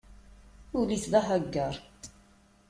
Ul-is d ahaggaṛ.